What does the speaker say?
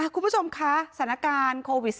คุณผู้ชมคะสถานการณ์โควิด๑๙